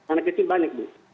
anak kecil banyak bu